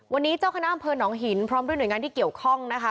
วันนี้เจ้าคณะอำเภอหนองหินพร้อมด้วยหน่วยงานที่เกี่ยวข้องนะคะ